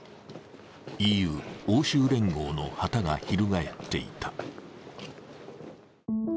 ＥＵ＝欧州連合の旗が翻っていた。